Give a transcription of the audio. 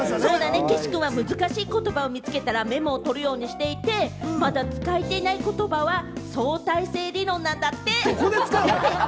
岸君は難しい言葉を見つけたらメモを取るようにしていて、使えていない言葉は、「相対性理論」なんだって！